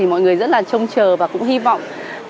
mọi người rất là trông chờ và cũng hy vọng